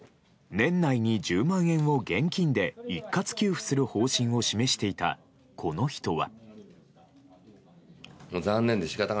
年内に１０万円を現金で一括給付する方針を示していたこの人は。